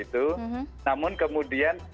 itu namun kemudian